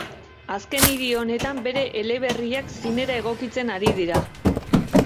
Azken hiri honetan bere eleberriak zinera egokitzen ari dira.